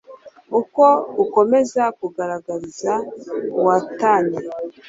uko ukomeza kugaragariza uwatanye